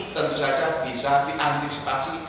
tentu saja bisa diantisipasi